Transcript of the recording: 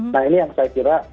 nah ini yang saya kira